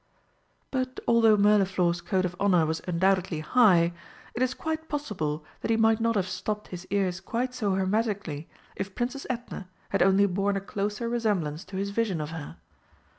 But although Mirliflor's code of honour was undoubtedly high, it is quite possible that he might not have stopped his ears quite so hermetically if Princess Edna had only borne a closer resemblance to his vision of her.